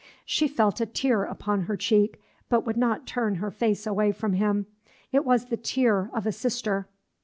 She felt a tear upon her cheek, but would not turn her face away from him; it was the tear of a sister.